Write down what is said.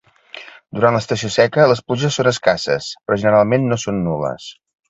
Durant l'estació seca les pluges són escasses però generalment no són nul·les.